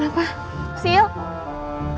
yaudah deh ya yuk